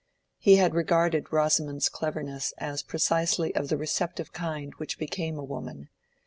He had regarded Rosamond's cleverness as precisely of the receptive kind which became a woman.